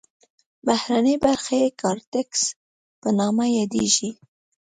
بهرنۍ برخه یې کارتکس په نامه یادیږي.